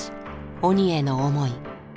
鬼への思い。